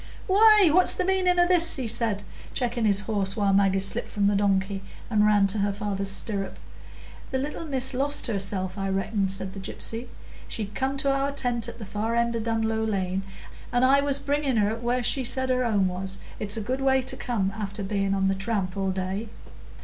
"Why, what's the meaning o' this?" he said, checking his horse, while Maggie slipped from the donkey and ran to her father's stirrup. "The little miss lost herself, I reckon," said the gypsy. "She'd come to our tent at the far end o' Dunlow Lane, and I was bringing her where she said her home was. It's a good way to come after being on the tramp all day."